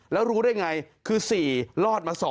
แล้วรู้ได้ไงคือ๔รอดมา๒